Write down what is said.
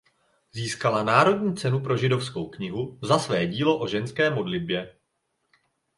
Získala "Národní cenu pro židovskou knihu" za své dílo o ženské modlitbě.